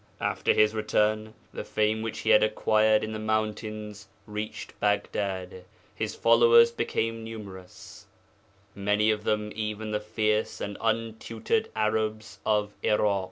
After his return the fame which he had acquired in the mountains reached Baghdad. His followers became numerous; many of them even the fierce and untutored Arabs of Irak.